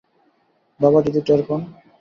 বাবা যদি টের পান?